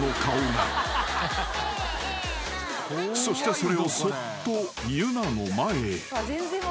［そしてそれをそっとゆなの前へ］